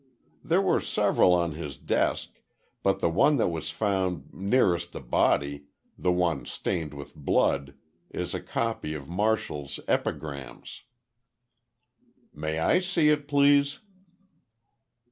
"There were several on his desk, but the one that was found nearest the body, the one stained with blood, is a copy of Martial's Epigrams." "May I see it, please?"